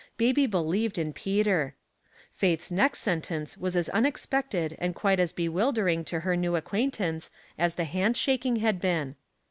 Baby be lieved in Peter. Faith's next sentence was as unexpected and quite as bewildering to her new acquaintance as the hand shaking had been.